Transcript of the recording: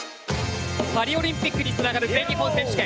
パリオリンピックにつながる全日本選手権。